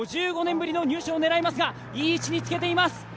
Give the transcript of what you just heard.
５５年ぶりの入賞を狙いますが、いい位置につけています。